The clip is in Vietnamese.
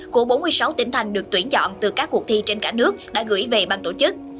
của bốn mươi sáu tỉnh thành được tuyển chọn từ các cuộc thi trên cả nước đã gửi về bang tổ chức